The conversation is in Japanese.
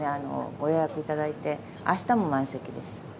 ご予約いただいて、あしたも満席です。